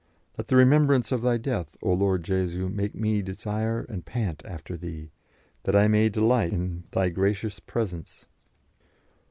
"Let the remembrance of Thy death, O Lord Jesu, make me to desire and pant after Thee, that I may delight in Thy gracious presence."